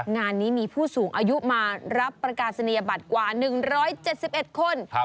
งานนี้มีผู้สูงอายุมารับประกาศนียบัตรกว่า๑๗๑คน